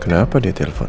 kenapa dia telepon